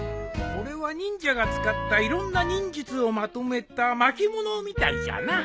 これは忍者が使ったいろんな忍術をまとめた巻物みたいじゃな。